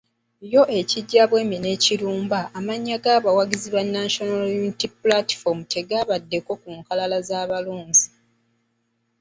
Yo e Kijjabwemi ne Kirumba amannya ga bawagizi ba National Unity Platform tegabadde ku nkalala z’abalonzi.